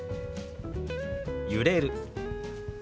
「揺れる」。